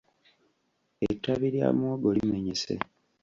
Ettabi lya muwogo limenyese.